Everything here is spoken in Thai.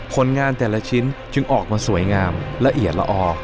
ผลงานแต่ละชิ้นจึงออกมาสวยงามละเอียดละออ